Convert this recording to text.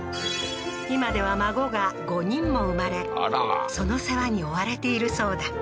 今では孫が５人も生まれその世話に追われているそうだ